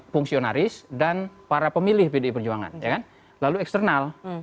fungsionaris dan para pemilih pdi perjuangan lalu eksternal